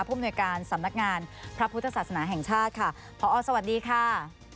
มนวยการสำนักงานพระพุทธศาสนาแห่งชาติค่ะพอสวัสดีค่ะ